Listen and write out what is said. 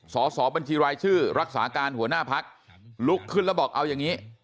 สอบบัญชีรายชื่อรักษาการหัวหน้าพักลุกขึ้นแล้วบอกเอาอย่างนี้